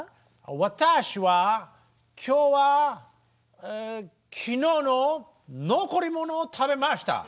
「わたしは今日は昨日の残りものを食べました」。